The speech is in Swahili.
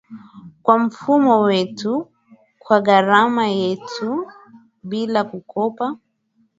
kwa mfumo wetu, kwa gharama yetu, bila kukopa